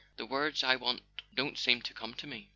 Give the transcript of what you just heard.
The words I want don't seem to come to me."